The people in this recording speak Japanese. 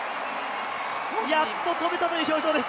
やっと跳べたという表情です。